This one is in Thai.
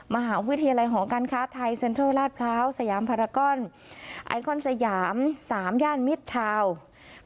มหาวิทยาลัยหอการค้าไทยเซ็นทรัลลาดพร้าวสยามพารากอนไอคอนสยาม๓ย่านมิดทาวน์